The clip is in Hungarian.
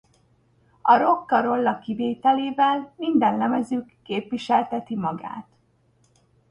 A Rocka Rolla kivételével minden lemezük képviselteti magát.